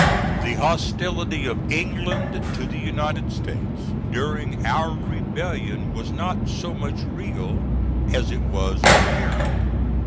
The hostility of England to the United States during our rebellion was not so much real as it was apparent.